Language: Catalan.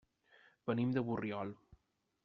Venim de Borriol.